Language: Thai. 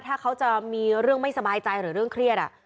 ถ้าเขาจะมีเรื่องไม่สบายใจหรือเรื่องเครียด